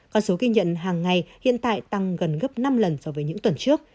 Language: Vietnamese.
con số ghi nhận hàng ngày hiện tại tăng gần gấp năm lần so với những tuần trước